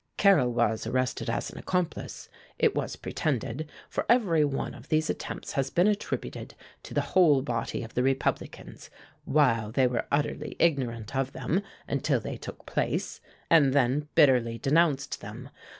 Carrel was arrested as an accomplice, it was pretended, for every one of these attempts has been attributed to the whole body of the Republicans, while they were utterly ignorant of them until they took place, and then bitterly denounced them.